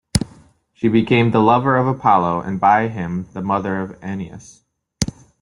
She became the lover of Apollo and by him the mother of Anius.